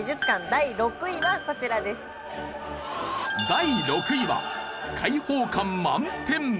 第６位は開放感満点！